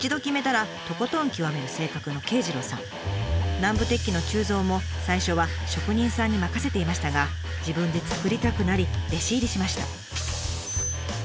南部鉄器の鋳造も最初は職人さんに任せていましたが自分でつくりたくなり弟子入りしました。